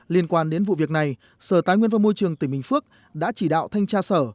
liên quan đến vụ việc này sở tài nguyên và môi trường tỉnh bình phước đã chỉ đạo thanh tra sở